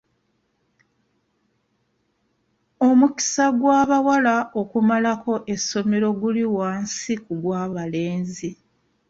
Omukisa gw'abawala okumalako essomero guli wansi ku gw'abalenzi.